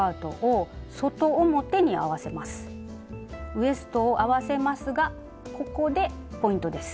ウエストを合わせますがここでポイントです。